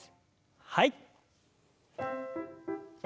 はい。